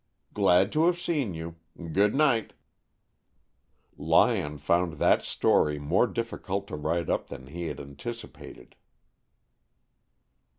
Glad to have seen you. Good night." Lyon found that "story" more difficult to write up than he had anticipated.